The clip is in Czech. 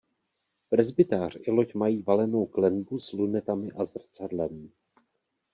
Presbytář i loď mají valenou klenbu s lunetami a zrcadlem.